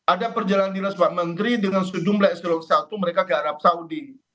ada perjalanan dinas pak menteri dengan sejumlah eselon satu mereka ke arab saudi